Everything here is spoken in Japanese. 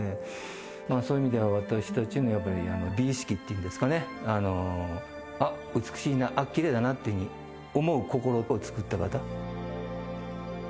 そういう意味では私たちのやっぱり美意識っていうんですかね、あっ、美しいな、あっ、きれいだなっていうふうに思う心を作った方。